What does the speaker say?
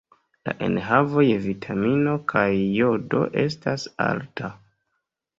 La enhavo je vitamino kaj jodo estas alta.